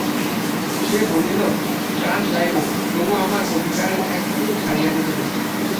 সে বলিল, প্রাণ যাইবে তবু আমার অধিকারের এক তিল ছাড়িয়া দিব না।